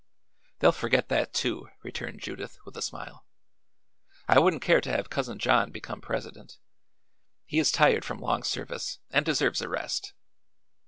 "They'll forget that, too," returned Judith, with a smile. "I wouldn't care to have Cousin John become president; he is tired from long service, and deserves a rest."